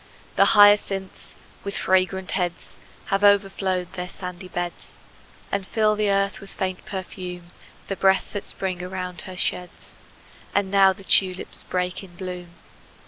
The hyacinths, with fragrant heads, Have overflowed their sandy beds, And fill the earth with faint perfume, The breath that Spring around her sheds. And now the tulips break in bloom!